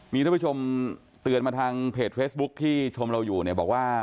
มีท่านผู้ชมเตือนมาทางเพจเฟซบุ๊คที่ชมเราอยู่เนี่ยบอกว่า